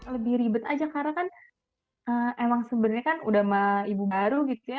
lebih ribet aja karena kan emang sebenarnya kan udah sama ibu baru gitu ya